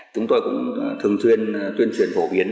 chúng tôi cũng thường thuyên tuyên truyền phổ biến